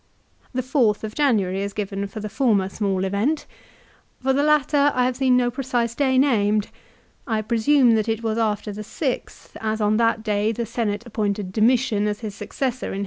The 4th of January is the date given for the former small event. For the latter I have seen no precise day named. I presume that it was after the 6th, as on that day the Senate appointed Domitian as his successor in his 1 Ad Att.